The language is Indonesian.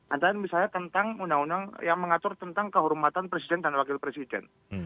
antara misalnya tentang undang undang yang mengatur tentang kehormatan presiden dan wakil presiden